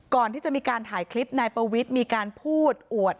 ก่อนที่จะมีการถ่ายคลิปนายปวิทย์มีการพูดอวด